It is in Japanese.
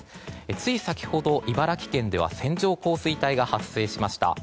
つい先ほど、茨城県では線状降水帯が発生しました。